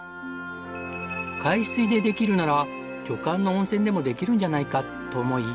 海水でできるなら旅館の温泉でもできるんじゃないかと思い